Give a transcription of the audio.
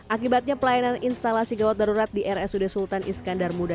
akibatnya pelayanan instalasi gawat darurat di rsud sultan iskandar muda